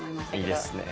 いいですね。